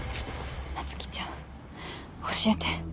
菜月ちゃん教えて。